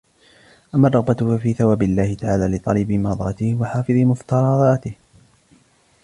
أَمَّا الرَّغْبَةُ فَفِي ثَوَابِ اللَّهِ تَعَالَى لِطَالِبِي مَرْضَاتِهِ ، وَحَافِظِي مُفْتَرَضَاتِهِ